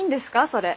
それ。